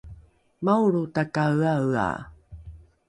maolro takaeaea